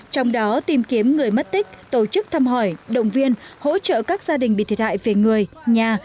trong đó tìm kiếm người mất tích tổ chức thăm hỏi động viên hỗ trợ các gia đình bị thiệt hại về người nhà